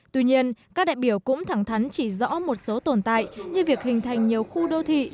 tuy nhiên các đại biểu cũng thẳng thắn chỉ rõ một số tồn tại như việc hình thành nhiều khu đô thị